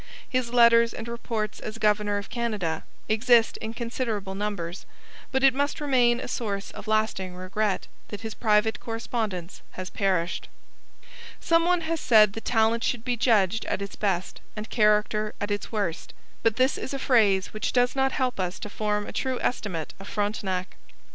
His letters and reports as governor of Canada exist in considerable numbers, but it must remain a source of lasting regret that his private correspondence has perished. Some one has said that talent should be judged at its best and character at its worst; but this is a phrase which does not help us to form a true estimate of Frontenac.